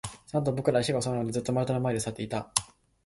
そのあと、僕らは火が収まるまで、ずっと丸太の前で座っていた